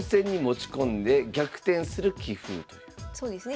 そうですね。